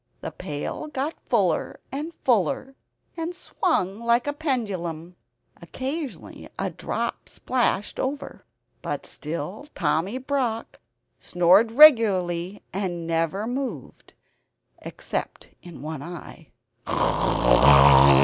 The pail got fuller and fuller, and swung like a pendulum. Occasionally a drop splashed over; but still Tommy Brock snored regularly and never moved, except in one eye.